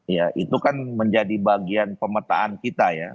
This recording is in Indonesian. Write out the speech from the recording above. ya itu kan menjadi bagian pemetaan kita ya